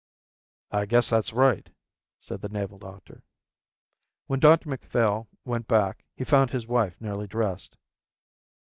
"I guess that's right," said the naval doctor. When Dr Macphail went back he found his wife nearly dressed.